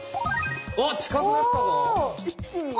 おっちかくなったぞ。